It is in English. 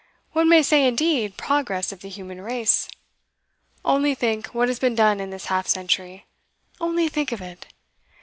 One may say, indeed, Progress of the Human Race. Only think what has been done in this half century: only think of it!